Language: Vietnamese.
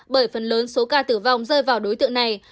bởi phần lớn số ca tử vong rơi vào đối tượng này